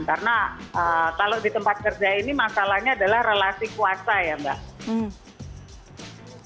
karena kalau di tempat kerja ini masalahnya adalah relasi kuasa ya mbak